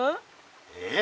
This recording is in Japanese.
えっ？